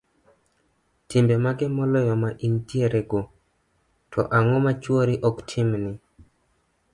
timbe mage moloyo ma intierego, to ang'o ma chuori ok timni?